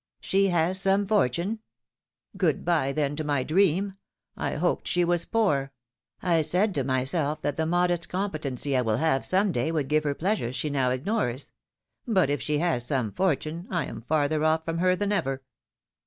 She has some fortune ! Good bye, then, to my dream ! I hoped she was poor. I said to myself, that the modest competency I will have some day, would give her pleasures she now ignores. But if she has some fortune, I am farther off from her than ever